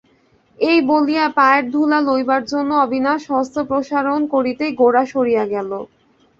এই বলিয়া পায়ের ধুলা লইবার জন্য অবিনাশ হস্ত প্রসারণ করিতেই গোরা সরিয়া গেল।